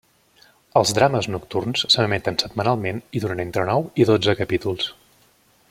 Els drames nocturns s'emeten setmanalment i duren entre nou i dotze capítols.